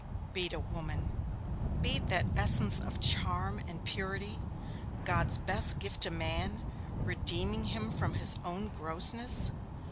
Beat a woman! Beat that essence of charm and purity, God's best gift to man, redeeming him from his own grossness!